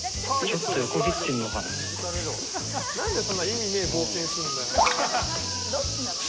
何でそんな意味ねえ冒険すんだよ。